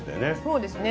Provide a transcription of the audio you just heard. そうですね。